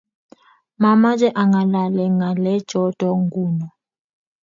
mamache angalale ngalechoto nguno